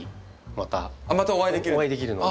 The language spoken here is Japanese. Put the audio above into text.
またお会いできるの。